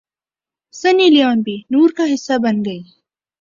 سنی Leone بھی نور کا حصہ بن گئیں